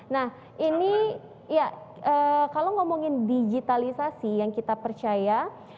nah ini ya kalau ngomongin digitalisasi yang kita percaya